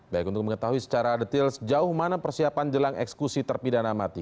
baik untuk mengetahui secara detail sejauh mana persiapan jelang ekskusi terpidana mati